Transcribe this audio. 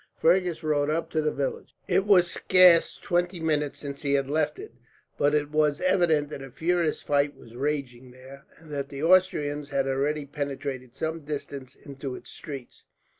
Fergus rode up to the village. It was scarce twenty minutes since he had left it, but it was evident that a furious fight was raging there, and that the Austrians had already penetrated some distance into its streets.